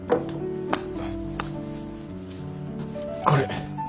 これ。